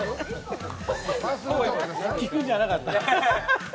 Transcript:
聞くんじゃなかった。